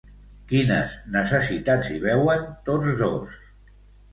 Quines necessitats hi veuen tots dos?